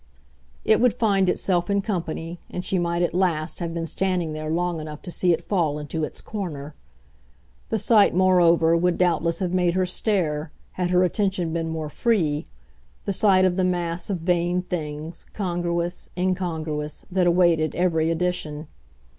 It would find itself in company, and she might at last have been standing there long enough to see it fall into its corner. The sight moreover would doubtless have made her stare, had her attention been more free the sight of the mass of vain things, congruous, incongruous, that awaited every addition.